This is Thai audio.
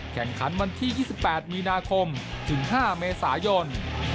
แข่งขันวันที่๒๘มีนาคมถึง๕เมษายน